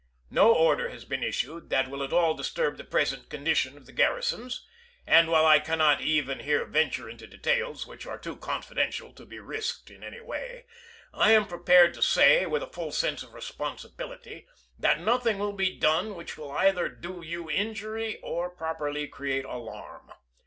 No order has been issued that will at all disturb the present condition of the gar risons, and while I cannot even here venture into details, which are too confidential to be risked in any way, I am prepared to say, with a full sense of the responsibility, that nothing will be done which will either do you in jury or properly create alarm.